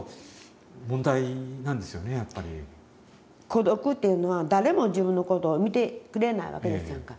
孤独っていうのは誰も自分のことを見てくれないわけですやんか。